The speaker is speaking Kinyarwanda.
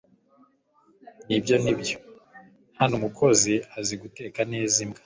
Nibyo Nibyo Hano umukozi aziguteka neza imbwa